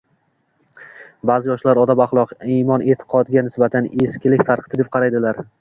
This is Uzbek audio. Ba’zi yoshlar odob-axloq, imon-e’tiqodga nisbatan “eskilik sarqiti” deb qaraydilar.